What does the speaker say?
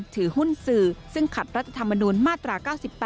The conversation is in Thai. ถือหุ้นสื่อซึ่งขัดรัฐธรรมนูญมาตรา๙๘